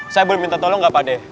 saya belum minta tolong gak pak deh